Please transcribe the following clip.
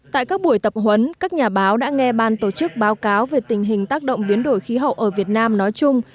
tại các buổi tập huấn các nhà báo đã nghe ban tổ chức báo cáo về tình hình tác động biến đổi khí hậu ở việt nam nói chung